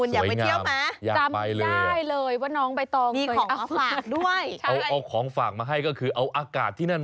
มัดมาอย่างนี้มัดอย่างแน่นเลยนะ